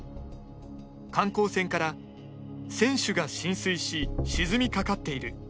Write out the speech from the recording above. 観光船から船首が浸水し、沈みかかっている。